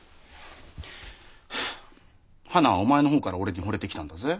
はなはお前の方から俺にほれてきたんだぜ。